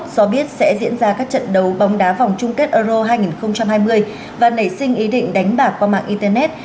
do biết sẽ diễn ra các trận đấu bóng đá vòng chung kết euro hai nghìn hai mươi và nảy sinh ý định đánh bạc qua mạng internet